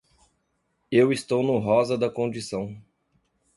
Eu estou no rosa da condição.